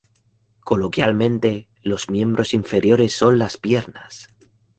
Coloquialmente, los miembros inferiores son las "piernas".